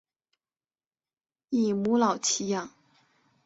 以母老乞养。